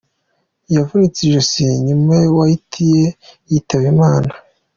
Yavunitse ijosi, nyuma Whitney yitaba Imana.